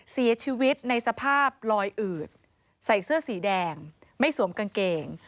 เสียชีวิตในสภาพลอยอืดใส่เสื้อสีแดงไม่สวมกางเกง